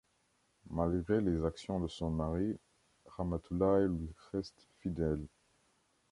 Malgré les actions de son mari, Ramatoulaye lui reste fidèle.